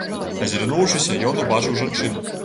Азірнуўшыся, ён убачыў жанчыну.